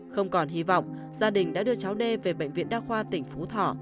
không còn hy vọng gia đình đã đưa cháu đê về bệnh viện đa khoa tỉnh phú thọ